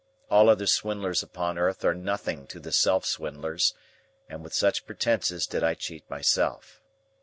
All other swindlers upon earth are nothing to the self swindlers, and with such pretences did I cheat myself.